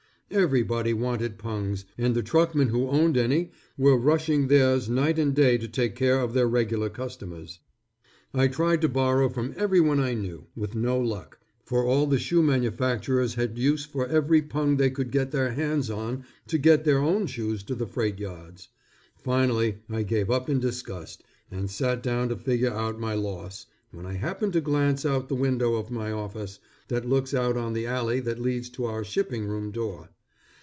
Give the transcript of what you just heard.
Everybody wanted pungs, and the truckmen who owned any were rushing theirs night and day to take care of their regular customers. I tried to borrow from everyone I knew, with no luck, for all the shoe manufacturers had use for every pung they could get their hands on to get their own shoes to the freight yards. Finally, I gave up in disgust, and sat down to figure out my loss, when I happened to glance out the window of my office, that looks out on the alley that leads to our shipping room door.